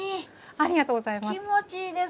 ありがとうございます。